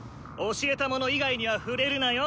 教えたもの以外には触れるなよ！